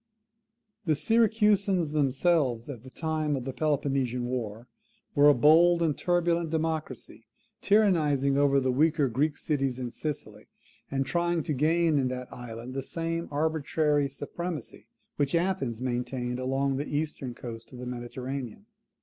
The Syracusans themselves, at the time of the Peloponnesian war, were a bold and turbulent democracy, tyrannizing over the weaker Greek cities in Sicily, and trying to gain in that island the same arbitrary supremacy which Athens maintained along the eastern coast of the Mediterranean.